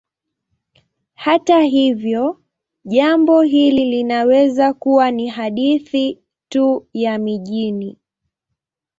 Hata hivyo, jambo hili linaweza kuwa ni hadithi tu ya mijini.